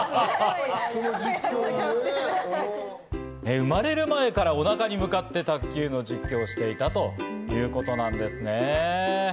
生まれる前からお腹に向かって卓球の実況をしていたということなんですね。